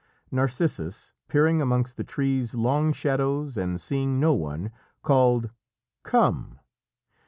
Narcissus, peering amongst the trees' long shadows and seeing no one, called "Come!"